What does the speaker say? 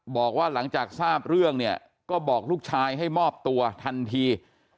บอกว่าหลังจากทราบเรื่องเนี่ยก็บอกลูกชายให้มอบตัวทันที